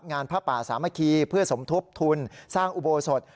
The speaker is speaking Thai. พระป่าสามัคคีเพื่อสมทบทุนสร้างอุโบสถ